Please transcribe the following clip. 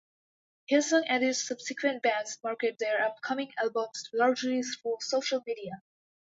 Hillsong and its subsequent bands market their upcoming albums largely through social media.